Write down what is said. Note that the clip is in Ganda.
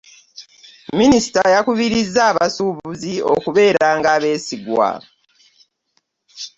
Minista yakubiriza abasubuzi okuberanga abesigwa.